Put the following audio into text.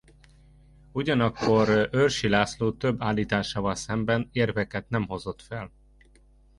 Ugyanakkor Eörsi László több állításával szemben érveket nem hozott fel.